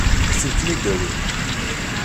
Ad sent-ten-id-tawi?